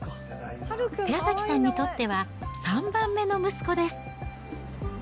寺崎さんにとっては、３番目の息子です。